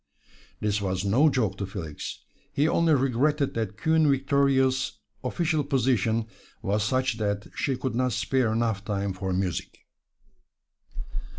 This was no joke to Felix he only regretted that Queen Victoria's official position was such that she could not spare enough time for music.